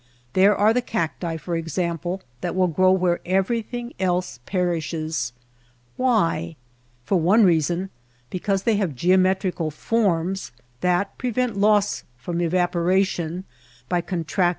There are the cacti, for example, that will grow where everything else perishes. Why ? For one rea son because they have geometrical forms that prevent loss from evaporation by contracting a Fighting heat and drouth.